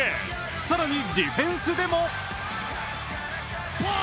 更にディフェンスでも！